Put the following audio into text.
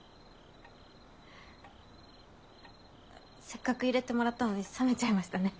せっかくいれてもらったのに冷めちゃいましたね。